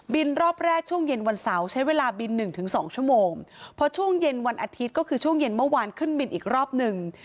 รอบแรกช่วงเย็นวันเสาร์ใช้เวลาบินหนึ่งถึงสองชั่วโมงพอช่วงเย็นวันอาทิตย์ก็คือช่วงเย็นเมื่อวานขึ้นบินอีกรอบหนึ่ง